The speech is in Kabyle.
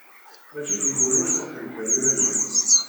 Mačči d yiwen wass ad thelkeḍ iman-ik.